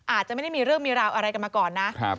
อาจจะไม่ได้มีเรื่องมีราวอะไรกันมาก่อนนะ